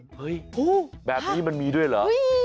เฮ้ยแบบนี้มันมีด้วยเหรอ